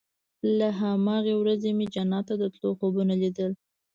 له هماغې ورځې مې جنت ته د تلو خوبونه ليدل.